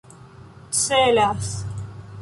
celas